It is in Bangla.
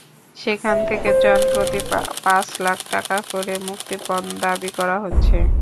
সেখান থেকে জনপ্রতি পাঁচ লাখ টাকা করে মুক্তিপণ দাবি করা হচ্ছে।